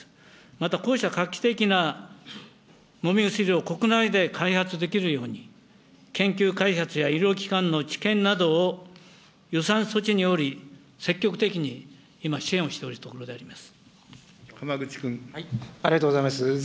またこうした画期的な飲み薬を国内で開発できるように、研究開発や医療機関の治験などを予算措置により積極的に今、支援をしておるところでございます。